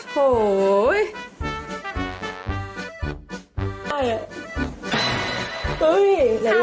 ขายัง